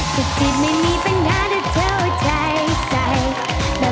สุดที่ไม่มีปัญหาถ้าเธอใจใส่